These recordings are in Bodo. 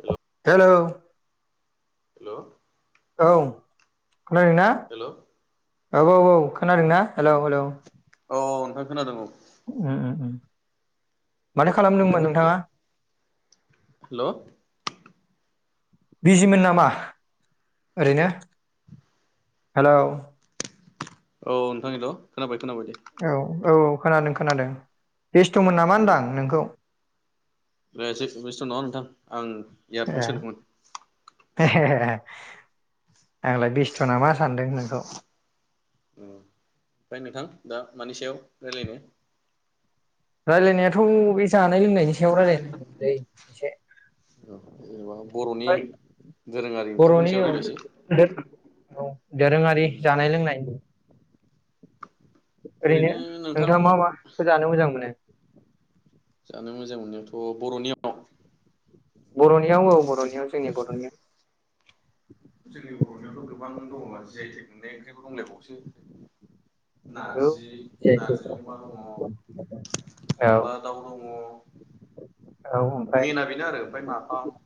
हेल' हेलौ हेल' औ खोनादोंना? हेल' औ औ औ खोनादोंना हेलौ हेलौ औ औ नोंथां खोनादों औ। उम उम मानो खालामदोंमोन नोंथाङा हेलौ बिजिमोन नामा ओरैनो हेलौ। औ नोंथां हेलौ खोनाबाय। खोनाबाय दे औ औ खोनादों खोनादों। बेस्थ'मोन नामा होनदां नोंखौ? बेसे बेस्थ' नङा नोंथां आं ए इयारफन सोदोंमोन‌ [unintelligible] आंलाय बेस्थ'नाा मा सानदों। औ ओमफ्राय नोंथां दा मानि सायाव राय्लायनो रायजलायनायाथ' बे जानाय लोंनायनि सायाव रायजलायनो नदोंमोनलै एसे औ जेनेबा बर'नि ओमफ्राय दोरोङारि ओंख्रिफोरनि बर'नि सायाव औ रायज्लायसै औ दोरोङारि जानाय लोंनायनि ओरैनो नोंथाङा मा मा खो जानो मोजां मोनो? जानो मोजां मोननायावथ' बर'नियाव बर'नियाव औ बर'नियाव जोंनि बर'नियाव जोंनि बर'नियावथ' गोबां दङ जि आइ टेग मोननाय ओंख्रिबो दंलायबावोसो नंगौ नारजि, जेखि नारजि औ अमा दङ, अनला औ दाउ दङ ओमफ्राय मेना बेनो आरो ओमफ्राय नाफाम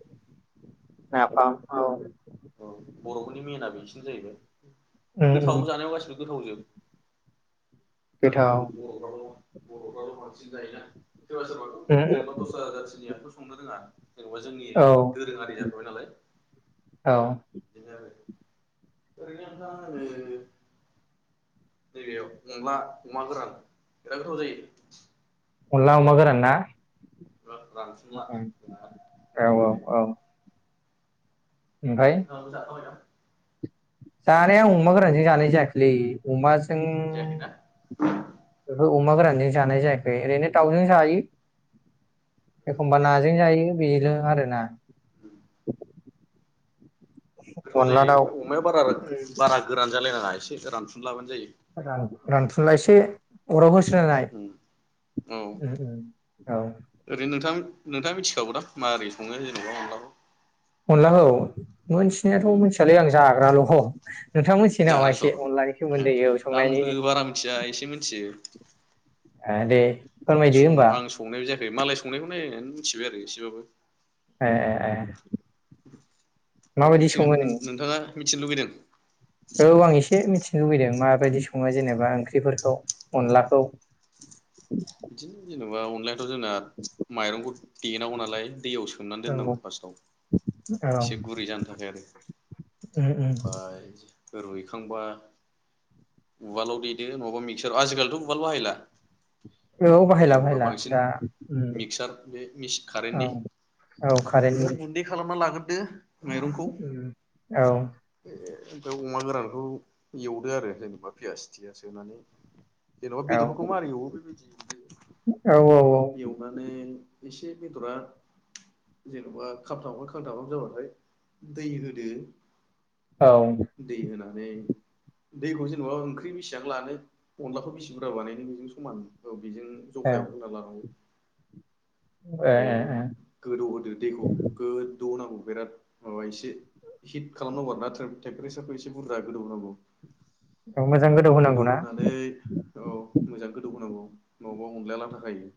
नाफाम औ औ बर'फोरनि मेना बेसिनो जाहैबाय उम गोथाव जानायाव गासिबो गोथावजोब गोथाव आरोथ' बर'फ्राथ' बर'फ्राथ' बांसिन जायोना सोरबा सोरबाथ' उम जेनेबा दस्रा जातिनियाथ' संनो रोङा जेनेबा जोंनि उम औ दोरोङारि जाखाबाय नालाय औ बिदिनो आरो ओरैनो [unintelligible] नैबेयाव अनला, अमा गोरान बिराद गोथाव जायो अनला अमा गोरान ना? औ रानफुनला उम बिराद औ औ मोदोमलायो औ ओमफ्राय नोंथाङाबो जाखांबायदां? जानाया आं अमा गोरानजों जानाय जायाखैलै अमाज - जायाखैना जों उमागोरानजों जानाय जायाखै ओरैनो दावजों जायो। एखमबा नाजों जायो। बेनो आरो ना गोथाव अनला जायो दाउ अमाया बारा बारा गोरान जालायनाङा ससे रानफुनलाबानो जायो। रानफुनला एसे अराव होसो औ औ ओरैनो नोंथां नोंथाङा मिथिखागौ दां माबोरै सङो जेनेबा अंलाखौ अनलाखौ मिनथिनायाथ' मिथियालै आं जाग्राल'। नोंथाङा मोनथियो नामा जाग्रा एसे अनलानि स सोमोन्दै औ संनायनि आंबो बारा मिथिया एसे मिथियो। ओ दे। फोरमायदो सं होमबा आं संनायबो जायाख मालाय संनायखौ नायनानै मिथिबाय आरो एसेबाबो। ए ए ए ओमफ्राय माबायदि मिथि सङो नों नोंथाङा मिथिनो लुुबैदों। औ आं एसे मिथिनो लुबैदों। माबायदि सङो जेनेबा ओंख्रिफोरख खौ औ अनलाखौ। बिदिनो जेनबा अनला ओख थ' जोंना माइरंखौ द दनांगौ नालाय। दैयाव सोमनानै औ दोननांगौ फार्स्टआव औ एसे गुरै जानो थाखाय आरो उम उम मफ्राय। रुइखांबा उवालाव देदो नङाबा मिक्सार आजिखालिथ' उवाल बाहायला। औ बाहायला जेन'बा बाहायला बांसिन दा उम मिक्सार बे मिच बे औ कारेन्टनि औ कारेन्टनि बेयाव गुन्दै खालामना लागोद दो। मरंखौ उम औ बेव अमा गोरानखौ एवदो आरो जेनबा पियास थियास होनानै। जेनबा औ बेदरफोरखौ मारै एवो बिबायद। औ एवनानै एसे बेदरा जेन'बा खाबथाबाम खांथामाम जाबाथाय दै होदो‌। औ दै होनानै दैखौ जेनेबा ओंख्रि बेसेबां लानो अनलाखौ बेसि बुरजा बानायनो बेजों समान औ। बेजों ए जखायाव होना लानांगौ। ए बे ए गोदौ होदो दैखौ गोदौहोनांगौ बिराद माबायसे हिट खालामनांगौ आरो थ्रेम थ्रेपेस फैब इसे बुरजा गोदौ होनांगौ। ए मोजां गोदौ होनांगौना होनानै औ मोजां गोदौ होनांगौ नबाव अनलाया लाथा थाखायो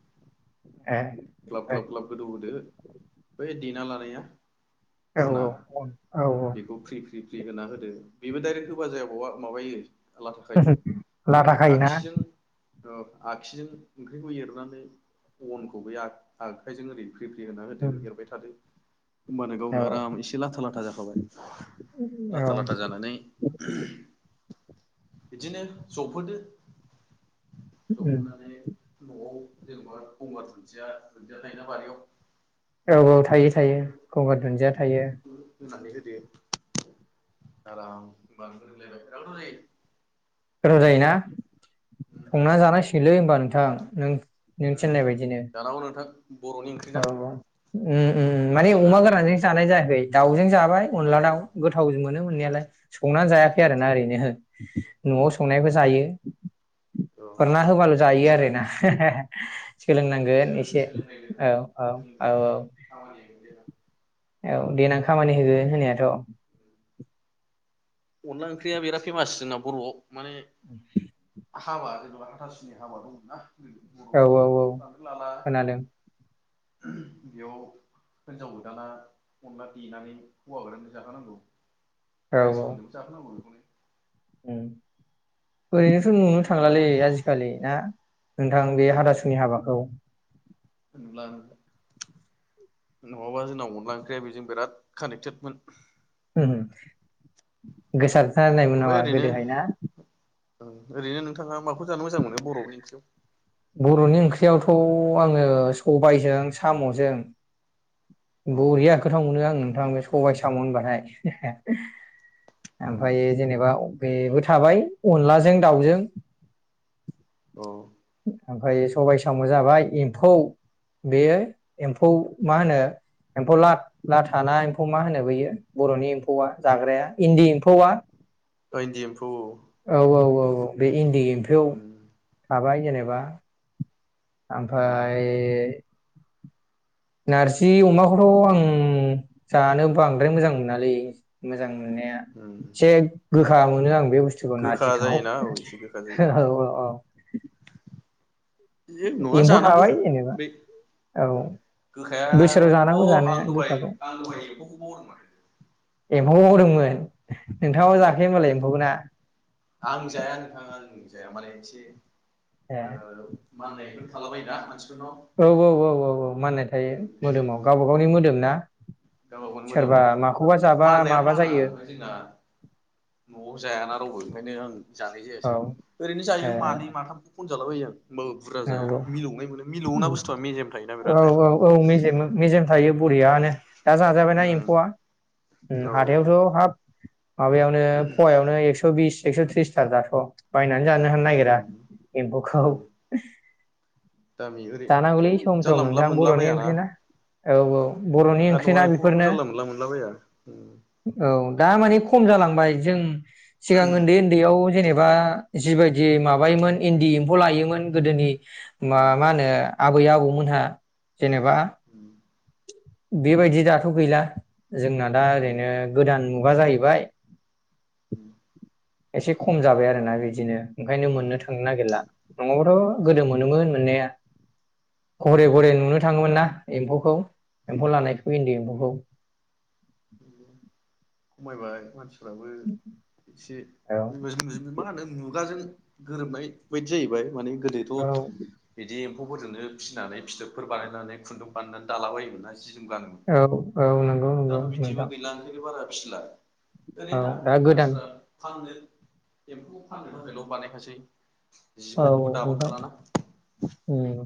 ए ख्लाब ओमफ्राय ख्लाब ख्लाब गोदौ होदो बै देना लानाया औ अना औ औ औ बेखौ फ्रि फ्रि फ्रि होना होद बेबो दडाइरेक्ट होबा जाया बावा माबायो लाथाखायो लाथा ओरैनो खायोना आगसिजों आगसिजों ओंख्रिखौ एरनानै अनखौ बे आ आखाइजों ओरै फ्रि फ्रि होना होदो उम एरबाय थादो होमबानो औ गावनो आराम एसे लाथा लाथा जाखाबाय लाथा औ लाथा जानानै बिदिनो जबहोदो उम जबहोनानै न'आव जेनेबा गंगार दुन्दिया थायोना बारियाव औ औ थायो थायो बेफोरखौ गंगार दुन्दिया थायो। बेफोरखौ होनानै आराम होनबा बिराथ गोथाव जायो। गोथाव जायोना संना जानांसिगोनलै होमबा नोंथां नों नों जायो उम थिन्नाय बायदिनो। दानांगौ नोंथां बर'नि ओंख्रि औ ना उम उम आरो माने जोंना अमा नै गोरानजों जानाय जायाखै। दाउजों जाबाय अनला अ दाव गोथाव मोनो मोननायालाय संनानै जायाखै आरोना ओरैनो न'आव संनायखौ जायो। अ फोरना होबाल' जायो आरो सोलों ना। सोलोंनांगोन एसे सोलोंनाय दोङो औ औ सोलोंदो औ औ। खामानि मोनदों औ देनां खामानि होगोन होननायाथ'। अनला ओंख्रिया बिराद फेमास जोंना बर'आव माने आ। हाबा जेन'बा हाथासुनि हाबा दं नना। औ औ औ खोनादों। बेयाव हिनजाव गोदाना अनला देनानै हौवा गोदान जाहोनांगौ। औ औ। [unintelligible] औ। ओरैनोथ' नुनो बे अनला थांलालै ओंख्रि आजिखालि ना नोंथां बे हाथासुनि हाबाखौ। होन नङाबा, जोंनाव अनला ओंख्रिया बेजों बिराद कानेक्टेडमोन। गोसार सारनायमोन ओमफ्राय नामा ओरैनो गोदोहाय ना? ओरैनो नोंथाङा मा [unintelligible] जानो मोजां मोनो बर'नि ओंख्रियाव। खौ आङो सबायजों साम'जों अ बरिया गोथाव मोनो आं नोंथां बे सबाय साम' होनबाथाय, उम ओमफ्राय जेनेबा बेबो थाबाय अनलाजों दाउजों। ओमफ्राय सबाय बायदि एम्फु औ औ औ औ बे इन्डि एम्फौ थाबाय‌। जेनेबा उम ओमफ्राय नारजि अमाखौथ' आं जानो बांद्राय मोजां मोनालै मोजां उम [unintelligible] गोखा मोनो आं। बे बुस्थुखौ गोखा नारजिखौ जायोना एसे गोखा जायो औ औ औ। नङा एम्फौ जानांगौ थाबाय जेनेबा बे औ गोखाया बोसोराव अ जानांगौ आं जानाया दहाय गोखाखौ आं दहाय [unintelligible] एम्फौ मावदोंमोन। नोंथाङाबो औ जाखायो होनबालाय एम्फौखौ ना? आं जाया नोंथां आं जाया माने एसे ए ओ माननायबो हेल'बाय दा। औ औ औ औ औ माननाय थायो मोदोमाव गावबा गावनि मोदोम ना। गावबा गावनि मोदोम सोरबा माखौबा औ जाबा माननाया माबा माना जायो ओमफ्राय जोंना न'आव जायाना रावबो। बेनिखायनो आं। जानाय औ जायासै ओरैनो ए जायो मानै माथाम। जाला बायो आं। ओमबाबो बुरजा औ जाया मिलौनाय मोनो औ मिलौना बुस्थुया मेजेम थायोना औ बिरादनो। औ औ मेजेम मेजेम थायो बरियानो। दा जाजाबायना उम एम्फौआ उम औ हाथायावथ' हाब माबायावनो पुवायावनो एक्स' बिस। एक्स' थ्रिस थाखा स [unintelligible] जानो होना नागिरा उम एम्फौखौ उम दामि ओरै जानांगौलै ओय सम सम जानला मोनला नोंथां मोनला बर'नि बायाना ओंख्रि ना औ औ बर'नि आरो नङा ओंख्रिना एम्फौबो बेफोरनो जानला मोनला मोनलाबाया। औ दा मानि खम जालांबाय जों सिगां उन्दै उन्दैयाव जेनेबा बा जिबायदि माबायोमोन इन्दि एम्फौ लायोमोन गोदोनि मा उम माहोनो आबै आबौमोनहा जेनेबा उम बेबायदि दाथ गैला जोंना दा ओरैनो गोदान मु माबा जाहैबाय उम एसे खम जाबाय आरोना बिदिनो ओंखायनो उम मोननो थांनो नागिरला। नङाबथ गोदो मोनोमोन मोननाया। घरे घरे नुनो थाङोमोन ना। एम्फौखौ औ एम्फौ लानायखौ इन्दि एम्फौ। औ खमायबाय मानसि फोराबो एसे औ मा होनो मुगाजों गोरोबनाय बायदि जाहैबाय माने। औ गोदोथ बिदि एम्फौफोरजोंनो फिनानै फिथोबफोर बानायनानै खुन्दुं बानायनानै दालाबायायोमोना जि जोम गानोमोन औ औ नंगौ। नंगौ दाथ बिदिबो नोंथां गैला ओंखायनो बारा फिसिला ओरै औ दा गोदान मानसिफ्रा फाननो एम्फौ फानो थाखायल बानाय खासै औ ओमफ्राय ओम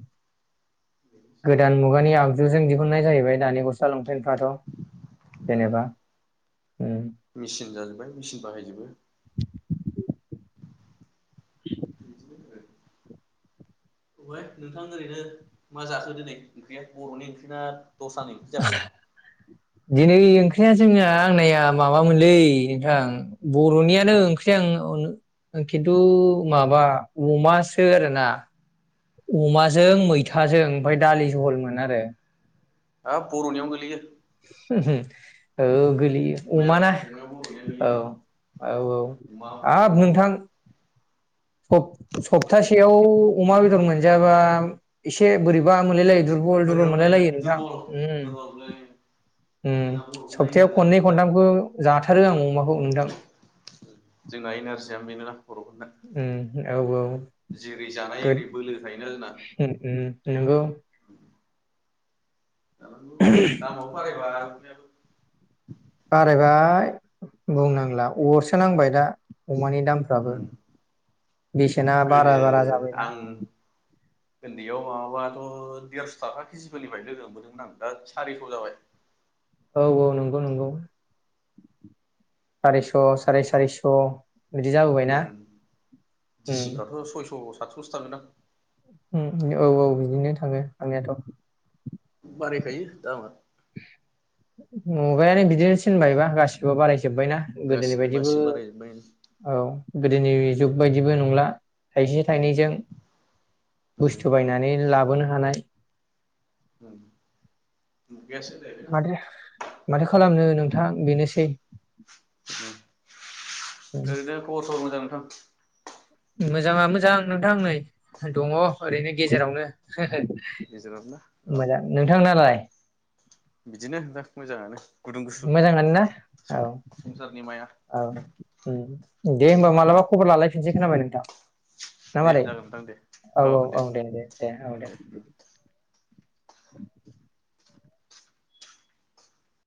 गोदान मुगानि आग जों जों दिहुननाय जाहैबाय दानि गस्ला लंपेन दाथ जेनेबा उम मेसिन जाजोब्बाय मेसिन बाहाय जोब बो [inaudible] अहाय नोंथां ओरैनो मा जाखो दिनै ओंख्रिया बर'नि ओंख्रिना दसानैजाखो? दिनै ओंख्रिया जोंना आंनाया माबामोनलै नोंथां बर'नियानो ओंख्रि आ खिन्थु माबा अमासो आरोना अमाजों मैथाजों ओमफ्राय दालि जहलमोन आरो हा खर'नि आव गोग्लोयो। ओहो औ। गोगलैयो अमाया अमा ना अमाया बर'नियानो औ गोलैयो औ औ अमा माथो हाब बर'फ्रा नोंथां सफथासेआव अमा बेदर मोनजायाबा एसे बोरैबा मोनलायलायो दुरबल दुरबल बोरैबामोनलाय मोनलायलायो नोंथां दुरबल दुरबललै उम‌ उम जोंना बर'फोरना सप्तायाव एनारजिया खननै बेनोना खनथामखौ जाथारो आं अमाख जोंना एन आर जिआ बेनोना। बर'फोरना उऔ औ जेरै जानाय गोद एरै बोलो थायोना जोंना उ उ नंगौ। दामबो बारायबा अमायाबो। बारायबाय बुंनांला अरसो नांबाय दा। अमानि दामफ्राबो बेसेना गोदो बारा बारा जाबायना। आं उन्दैयाव माबाबाथ' देरस' थाखा केजिफोरनिफ्रायाय लोगो मोनबोदोंमोन आं दा सारिस' जाबाय। औ औ नंगौ नंगौ। सारिस' साराय सारिस'। बिदि जाबोबायना उ उम दिसि फ्राथ सयस' फाथससो जागोनदां। उ औ औ बिदिनो थाङो थांनायाथ'। बारायखायो दामा मुगायानो बिदिनो थनबायबा गासिबो बारायै जोबबायना गासि गोदोनि बायदिबो गासि बारायजोब्बाय औ गोदोनि जुग बायदिबो नंला थाइसे थाइनैजों बुस्थु बायनानै लाब गबोनो हानाय उम माथो माथो खालामनो नों उम ओरैनो खर सर मोजां नोंथां मोजाङा मोजां नोंथां नै दं ओरैनो गेजेरावनो गेजेरावनो ओहो औ मोजां नोंथांनालाय बिदिनो दा मोजाङानो गुदुं गुसु मोजां आनो ना औ संसारनि माया औ उम दे होनोमबा मालाबा खबर लालायफिनसै खोनाबाय नोंथां ना दे मारै जागोन नोंथां दे औ औ औ दे दे दे औ दे [inaudible]